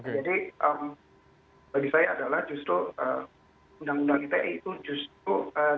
jadi bagi saya adalah justru undang undang ite itu justru